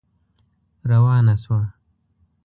روانه شوه.